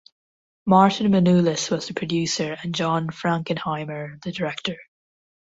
Martin Manulis was the producer and John Frankenheimer the director.